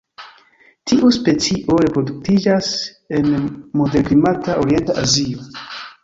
Tiu specio reproduktiĝas en moderklimata orienta Azio.